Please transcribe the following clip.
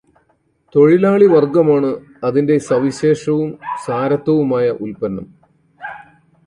തൊഴിലാളിവർഗമാണു് അതിന്റെ സവിശേഷവും സാരത്തുമായ ഉല്പന്നം.